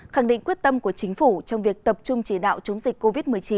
khẳng định quyết tâm của chính phủ trong việc tập trung chỉ đạo chống dịch covid một mươi chín